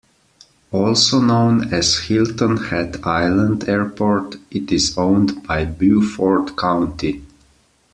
Also known as Hilton Head Island Airport, it is owned by Beaufort County.